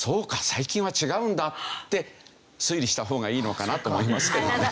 最近は違うんだ」って推理した方がいいのかなと思いますけどね。